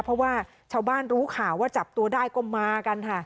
เพราะว่าชาวบ้านรู้ข่าวว่าจับตัวได้ก็มากันค่ะ